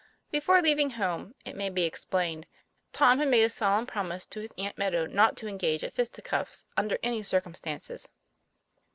Before leaving home, it may be explained, Tom had made a solemn promise to his Aunt Meadow not to engage at fisticuffs under any circumstances.